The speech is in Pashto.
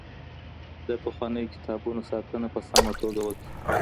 د پخوانیو کتابونو ساتنه په سمه توګه وکړئ.